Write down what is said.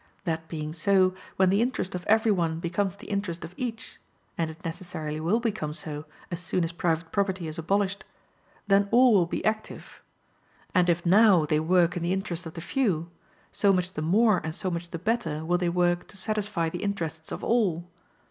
That being so, when the interest of every one becomes the interest of each (and it necessarily will become so as soon as private property is abolished) then all will be active. And if now they work in the interest of the few, so much the more and so much the better will they work to satisfy the interests of all.